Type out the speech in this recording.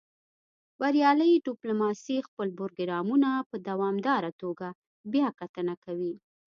بریالۍ ډیپلوماسي خپل پروګرامونه په دوامداره توګه بیاکتنه کوي